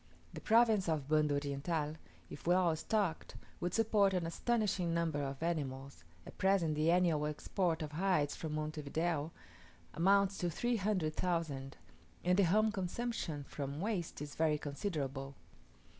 The province of Banda Oriental, if well stocked, would support an astonishing number of animals, at present the annual export of hides from Monte Video amounts to three hundred thousand; and the home consumption, from waste, is very considerable.